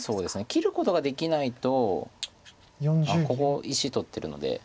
切ることができないとここ石取ってるので。